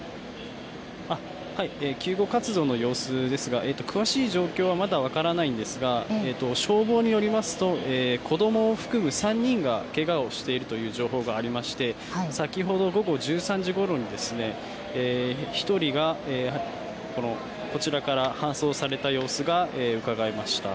救護活動の様子ですが詳しい状況はまだ分からないんですが、消防によりますと子どもを含む３人がけがをしているという情報がありまして先ほど午後１３時ごろに１人がこちらから搬送された様子がうかがえました。